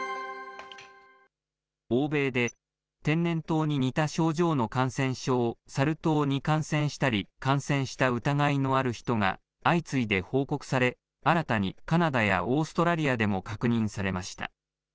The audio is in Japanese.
欧米で天然痘に似た症状の感染症、サル痘に感染したり感染した疑いのある人が相次いで報告され、新たにカナダやオーストラリアでも確認されました。